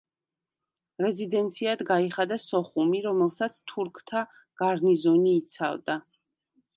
რეზიდენციად გაიხადა სოხუმი, რომელსაც თურქთა გარნიზონი იცავდა.